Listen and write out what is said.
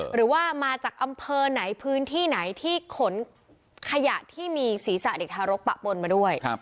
หรือว่ามาจากอำเภอไหนพื้นที่ไหนที่ขนขยะที่มีศีรษะเด็กทารกปะปนมาด้วย